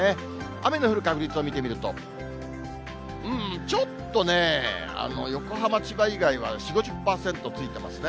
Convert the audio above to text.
雨の降る確率を見てみると、うーん、ちょっとね、横浜、千葉以外は４、５０％ついてますね。